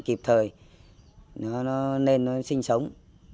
kịp thời nó nên nó sinh sống